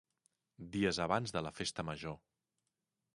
Dies abans de la Festa Major.